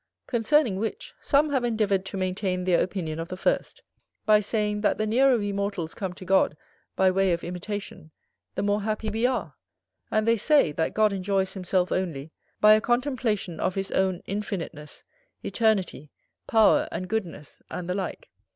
Concerning which, some have endeavoured to maintain their opinion of the first; by saying, that the nearer we mortals come to God by way of imitation, the more happy we are. And they say, that God enjoys himself only, by a contemplation of his own infiniteness, eternity, power, and goodness, and the like.